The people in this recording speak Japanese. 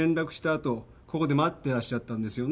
あとここで待ってらっしゃったんですよね？